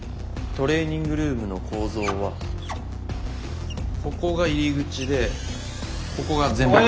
トレーニングルームの構造はここが入り口でここが全面窓。